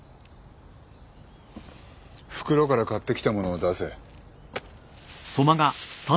袋から買ってきたものを出せ。